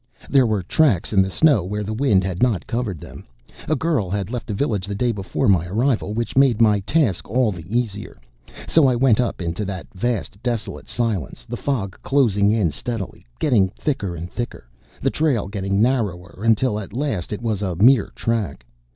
There were tracks in the snow where the wind had not covered them. A girl had left the village the day before my arrival, which made my task all the easier. So I went up into that vast, desolate silence, the fog closing in steadily, getting thicker and thicker, the trail getting narrower until at last it was a mere track.